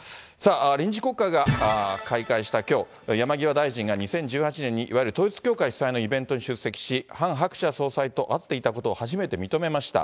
さあ、臨時国会が開会したきょう、山際大臣が２０１８年にいわゆる統一教会主催のイベントに出席し、ハン・ハクチャ総裁と会っていたことを初めて認めました。